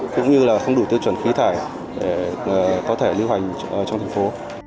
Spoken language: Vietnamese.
cũng như là không đủ tiêu chuẩn khí thải để có thể lưu hành trong thành phố